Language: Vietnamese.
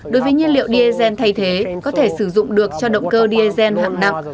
đối với nhiên liệu diesel thay thế có thể sử dụng được cho động cơ diesel hạng nặng